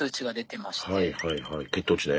はいはいはい血糖値ね。